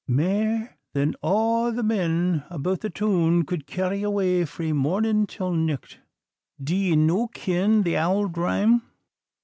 Mair than a' the men about the toon could carry away frae morning till nicht. Do ye no ken the auld rhyme?